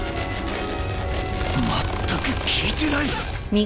まったく効いてない！？